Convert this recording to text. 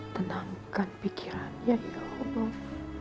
tenangkan pikirannya ya allah